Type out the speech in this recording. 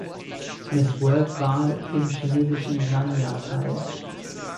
Miss-World-Wahl im chinesischen Sanya teil.